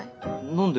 何で？